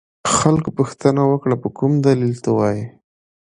خلکو پوښتنه وکړه په کوم دلیل ته وایې.